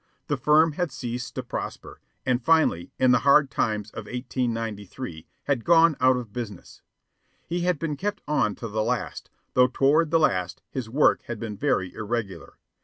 The firm had ceased to prosper, and finally, in the hard times of 1893, had gone out of business. He had been kept on to the last, though toward the last his work had been very irregular.